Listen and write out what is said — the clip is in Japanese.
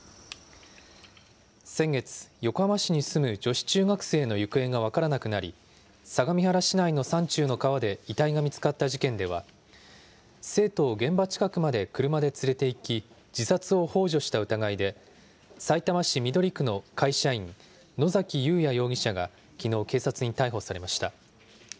先月、横浜市に住む女子中学生の行方が分からなくなり、相模原市内の山中の川で遺体が見つかった事件では、生徒を現場近くまで車で連れていき、自殺をほう助した疑いで、さいたま市緑区の会社員、野崎祐也容疑者がきのう警察に逮捕されました。